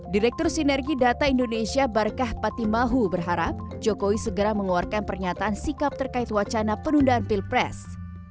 direktur sinergi data indonesia barkah patimahu berharap jokowi segera mengeluarkan pernyataan sikap terkait wacana penundaan pilpres